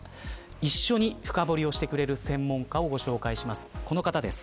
一緒に深掘りをしてくれる専門家をご紹介します。